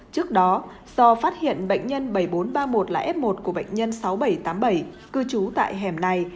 trước đó do phát hiện bệnh nhân bảy nghìn bốn trăm ba mươi một là f một của bệnh nhân sáu nghìn bảy trăm tám mươi bảy cư trú tại hẻm này